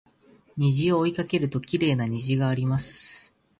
虹を追いかけるときれいな虹があります